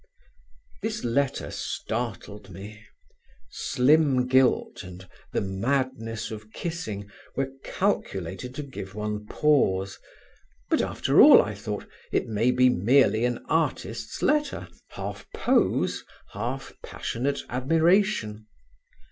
This letter startled me; "slim gilt" and the "madness of kissing" were calculated to give one pause; but after all, I thought, it may be merely an artist's letter, half pose, half passionate admiration.